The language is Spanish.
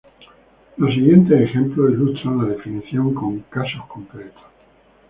Los siguientes ejemplos ilustran las definiciones con casos concretos.